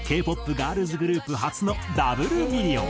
ガールズグループ初のダブルミリオン。